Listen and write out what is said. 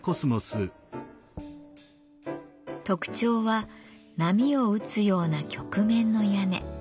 特徴は波を打つような曲面の屋根。